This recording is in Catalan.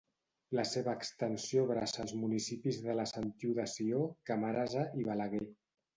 La seva extensió abraça els municipis de La Sentiu de Sió, Camarasa i Balaguer.